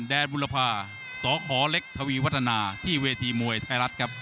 แดงบุรพาสขเล็กทวีวัฒนาที่เวทีมวยไทยรัฐครับ